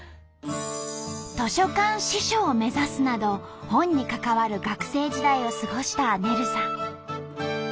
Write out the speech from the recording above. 図書館司書を目指すなど本に関わる学生時代を過ごしたねるさん。